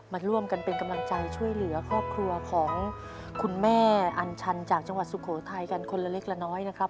มาร่วมกันเป็นกำลังใจช่วยเหลือครอบครัวของคุณแม่อัญชันจากจังหวัดสุโขทัยกันคนละเล็กละน้อยนะครับ